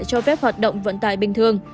cho phép hoạt động vận tải bình thường